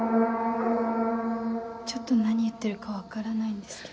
ちょっと何言ってるか分からないんですけど。